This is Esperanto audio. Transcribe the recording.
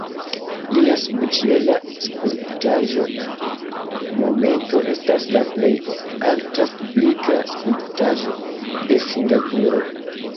Lia subĉiela skulptaĵo "Momento" estas la plej alta publika skulptaĵo de Singapuro.